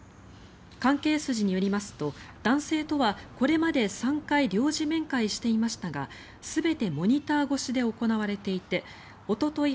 関係筋によりますと男性とはこれまで３回領事面会していましたが全てモニター越しで行われていておととい